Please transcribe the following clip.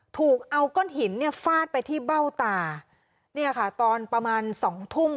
ถูกเอาก้อนหินเนี่ยฟาดไปที่เบ้าตาเนี่ยค่ะตอนประมาณสองทุ่ม